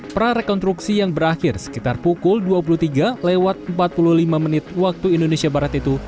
prarekonstruksi yang berakhir sekitar pukul dua puluh tiga lewat empat puluh lima menit waktu indonesia barat itu